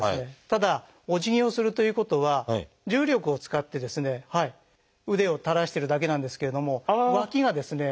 ただおじぎをするということは重力を使ってですね腕を垂らしてるだけなんですけれども脇がですね